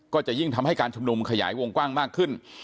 ก็จะยิ่งทำให้การชุมนุมขยายวงกว้างมากขึ้น